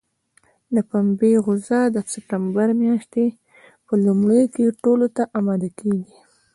د پنبې غوزه د سپټمبر میاشتې په لومړیو کې ټولولو ته اماده کېږي.